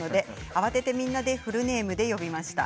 慌ててみんなでフルネームで呼びました。